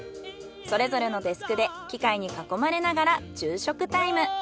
それぞれのデスクで機械に囲まれながら昼食タイム。